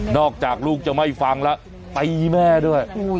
นอกจากลูกจะไม่ฟังแล้วไปแม่ด้วยอุ้ย